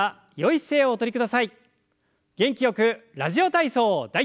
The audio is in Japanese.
元気よく「ラジオ体操第１」。